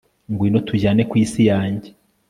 ngwino tujyane ku isi yanjye